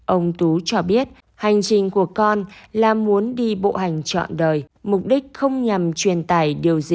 ông tú cho biết hành trình của con là muốn đi bộ hành trọn đời mục đích không nhằm truyền tải điều gì